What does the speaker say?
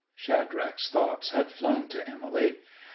Shadrach's thoughts had flown to Emily.